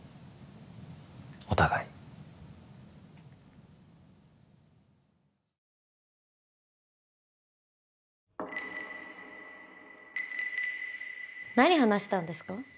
お互い何話したんですか？